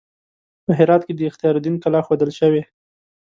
په هرات کې د اختیار الدین کلا ښودل شوې.